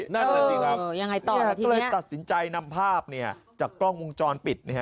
นั่นแหละสิครับตัดสินใจนำภาพเนี่ยจากกล้องวงจรปิด